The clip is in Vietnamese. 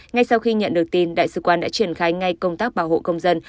ngay sau khi nhận được tin đại sứ quán đã triển khai ngay công tác bảo hộ công dân